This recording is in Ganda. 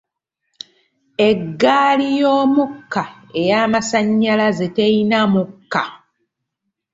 Eggaali y'omukka ey'amasannyalaze teyina mukka.